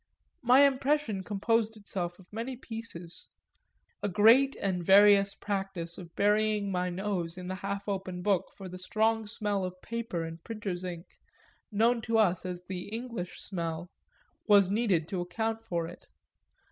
My impression composed itself of many pieces; a great and various practice of burying my nose in the half open book for the strong smell of paper and printer's ink, known to us as the English smell, was needed to account for it.